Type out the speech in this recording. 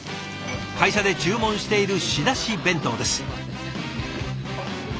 会社で注文している仕出し弁当です。